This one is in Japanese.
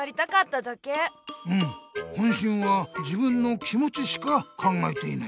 うん本心は自分の気もちしか考えていない。